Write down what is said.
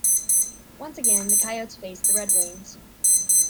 Once again, the Coyotes faced the Red Wings.